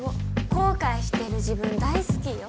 後悔してる自分大好きよ